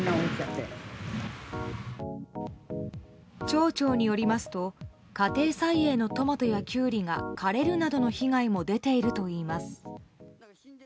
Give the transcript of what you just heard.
町長によりますと家庭菜園のトマトやキュウリが枯れるなどの被害も出ているといいます。